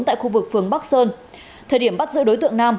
tại khu vực phường bắc sơn thời điểm bắt giữ đối tượng nam